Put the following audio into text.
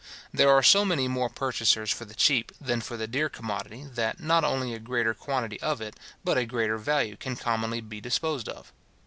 There are so many more purchasers for the cheap than for the dear commodity, that, not only a greater quantity of it, but a greater value can commonly be disposed of.